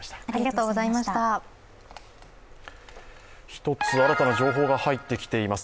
１つ、新たな情報が入ってきています。